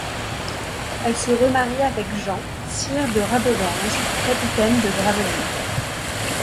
Elle se remarie avec Jean, sire de Rabodanges, capitaine de Gravelines.